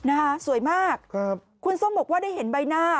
นะคะสวยมากครับคุณส้มบอกว่าได้เห็นใบหน้า